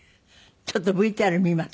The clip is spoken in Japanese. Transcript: ちょっとＶＴＲ見ます。